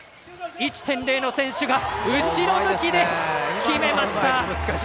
１．０の選手が後ろ向きで決めました！